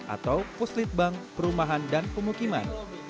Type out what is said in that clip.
atau puslit bank perumahan dan pemukiman